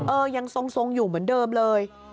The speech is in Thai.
ยังทรงอยู่เหมือนเดิมเลย